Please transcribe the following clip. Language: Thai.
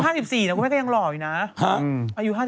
อายุ๕๔เนี่ยกูไหนก็ยังหลอดอยู่นะ